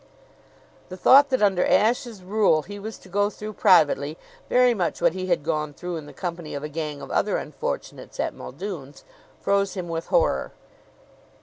The thought that under Ashe's rule he was to go through privately very much what he had gone through in the company of a gang of other unfortunates at Muldoon's froze him with horror.